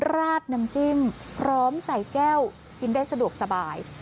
ราดน้ำจิ้มพร้อมใส่แก้วกินได้สะดวกสบาย